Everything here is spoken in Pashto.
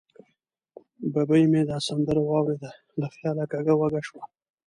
ببۍ مې دا سندره واورېده، له خیاله کږه وږه شوه.